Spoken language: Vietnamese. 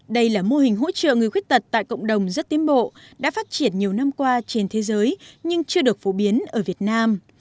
đây là mô hình hỗ trợ người khuyết tật tại cộng đồng rất tiến bộ đã phát triển nhiều năm qua trên thế giới nhưng chưa được phổ biến ở việt nam